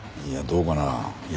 いやどうかな？